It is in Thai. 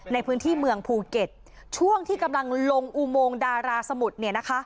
ในพื้นที่เมืองภูเก็ตช่วงที่กำลังลงอุโมงดาราสมุทรเนี่ยนะคะ